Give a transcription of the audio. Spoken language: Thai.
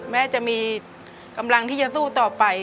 แม้จะมีกำลังที่จะสู้ต่อไป